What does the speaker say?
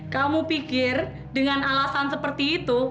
kamu pikir dengan alasan seperti itu